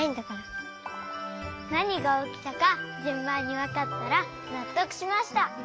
なにがおきたかじゅんばんにわかったらなっとくしました。